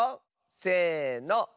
せの。